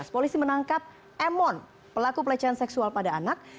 polisi menangkap emon pelaku pelecehan seksual pada anak